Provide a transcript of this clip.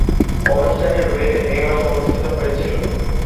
অনুষ্ঠানটি রুয়েটে মে মাসে অনুষ্ঠিত হয়েছিলো।